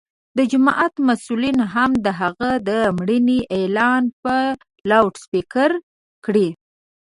د جومات مسؤلینو هم د هغه د مړینې اعلان په لوډسپیکر کړی.